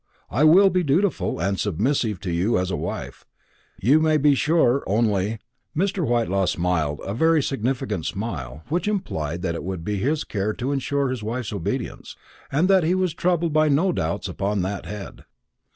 I will be dutiful and submissive to you as a wife, you may be sure only " Mr. Whitelaw smiled a very significant smile, which implied that it would be his care to insure his wife's obedience, and that he was troubled by no doubts upon that head.